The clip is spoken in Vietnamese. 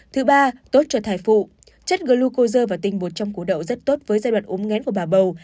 thứ ba tốt cho thai phụ chất glucosa và tinh bột trong củ đậu rất tốt với giai đoạn ốm ngén của bà bầu